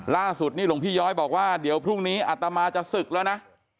ล่าสุดนี่หลวงพี่ย้อยบอกว่าเดี๋ยวพรุ่งนี้อัตมาจะศึกแล้วนะ